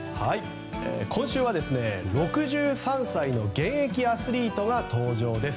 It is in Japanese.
今週は６３歳の現役アスリートが登場です。